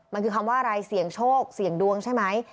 มันคือคำว่าอะไรเสี่ยงโชคเสี่ยงดวงใช่ไหม